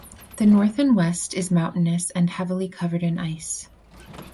The north and west is mountainous and heavily covered in ice.